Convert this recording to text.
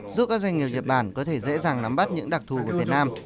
giúp các doanh nghiệp nhật bản có thể dễ dàng nắm bắt những đặc thù của việt nam